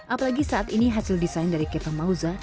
apalagi saat ini hasil desain dari kepa mausa